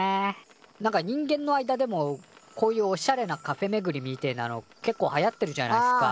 なんか人間の間でもこういうおしゃれなカフェめぐりみてえなのけっこうはやってるじゃないっすかあ。